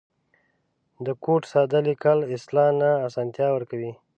د کوډ ساده لیکل اصلاح ته آسانتیا ورکوي.